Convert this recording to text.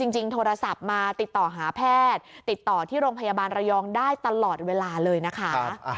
จริงโทรศัพท์มาติดต่อหาแพทย์ติดต่อที่โรงพยาบาลระยองได้ตลอดเวลาเลยนะคะ